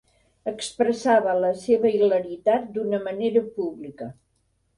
Expressava la seva hilaritat d'una manera pública.